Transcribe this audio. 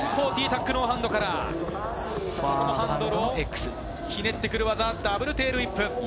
５４０タックノーハンドからワンハンドのひねってくる技、ダブルテールウィップ。